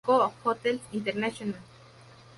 Será administrado por Nikko Hotels International.